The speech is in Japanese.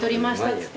つって。